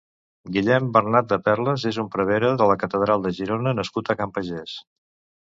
Guillem Bernat de Perles és un prevere de la catedral de Girona nascut a Can Pagès.